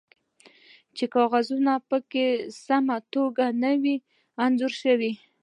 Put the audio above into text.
چې کاغذونه پکې په سمه توګه نه وي انځور شوي